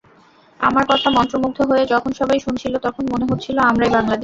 আমার কথা মন্ত্রমুগ্ধ হয়ে যখন সবাই শুনছিল, তখন মনে হচ্ছিল, আমরাই বাংলাদেশ।